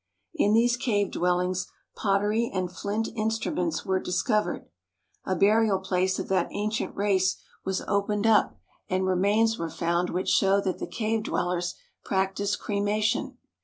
In these cave dwellings pottery and flint instruments were discovered. A burial place of that ancient race was opened up and 27 THE HOLY LAND AND SYRIA remains were found which show that the cave dwellers practised cremation.